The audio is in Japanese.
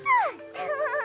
フフフフ。